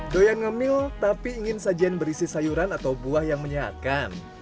doyan ngemil tapi ingin sajian berisi sayuran atau buah yang menyehatkan